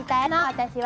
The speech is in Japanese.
私は！